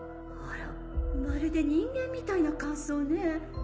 あらまるで人間みたいな感想ね。